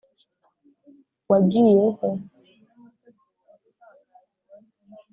wagiye he